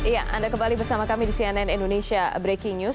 ya anda kembali bersama kami di cnn indonesia breaking news